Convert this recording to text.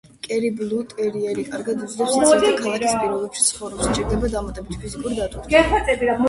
კერი-ბლუ ტერიერი კარგად უძლებს სიცივეს და ქალაქის პირობებში ცხოვრებას, სჭირდება დამატებითი ფიზიკური დატვირთვა.